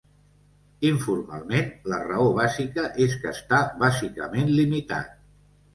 Informalment, la raó bàsica és que està bàsicament limitat.